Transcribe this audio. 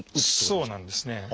そうなんですね。